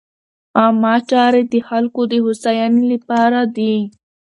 عامه چارې د خلکو د هوساینې لپاره دي.